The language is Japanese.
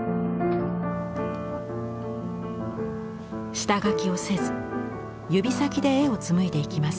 下書きをせず指先で絵を紡いでいきます。